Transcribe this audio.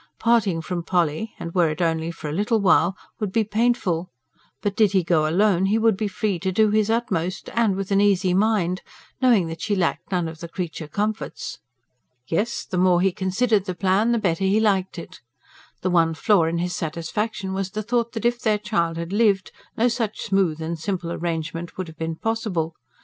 Parting from Polly, and were it only for a little while, would be painful; but, did he go alone, he would be free to do his utmost and with an easy mind, knowing that she lacked none of the creature comforts. Yes, the more he considered the plan, the better he liked it. The one flaw in his satisfaction was the thought that if their child had lived, no such smooth and simple arrangement would have been possible.